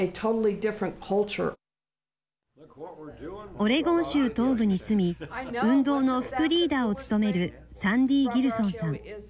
オレゴン州東部に住み運動の副リーダーを務めるサンディー・ギルソンさん。